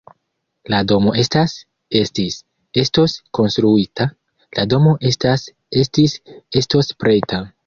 La domo estas, estis, estos konstruita: la domo estas, estis, estos preta.